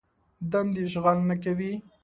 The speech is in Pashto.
دندې اشغال نه کوي.